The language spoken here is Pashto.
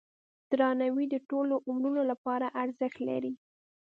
درناوی د ټولو عمرونو لپاره ارزښت لري.